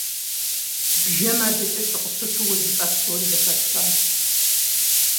Бжэм адэкӀэ сыкъыщыту уэ жыпӀа псори зэхэсхащ.